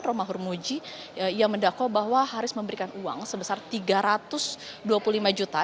romahur muji ia mendakwa bahwa haris memberikan uang sebesar tiga ratus dua puluh lima juta